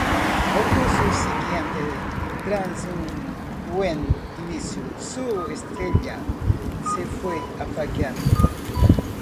Al curso siguiente, tras un buen inicio, su estrella se fue apagando.